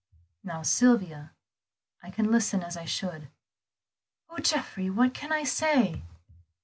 "Now Sylvia, I can listen as I should." "Oh, Geoffrey, what can I say?"